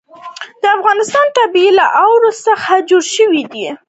د افغانستان طبیعت له اوړي څخه جوړ شوی دی.